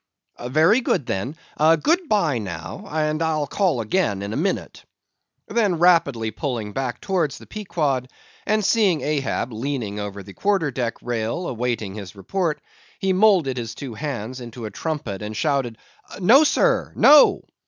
"Very good, then; good bye now, and I'll call again in a minute." Then rapidly pulling back towards the Pequod, and seeing Ahab leaning over the quarter deck rail awaiting his report, he moulded his two hands into a trumpet and shouted—"No, Sir! No!"